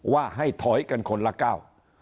ว่าให้ถอยกันคนละก้าว